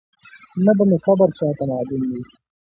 نه به مي قبر چاته معلوم وي